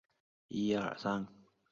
耶尔朱哲和迈尔朱哲出世。